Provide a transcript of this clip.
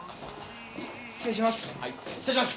失礼します。